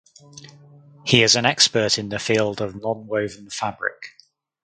He is an expert in the field of nonwoven fabric.